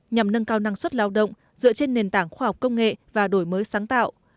nhằm nâng cao năng suất lao động dựa trên nền tảng khoa học công nghệ và đổi mới sáng tạo